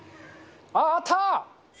あった！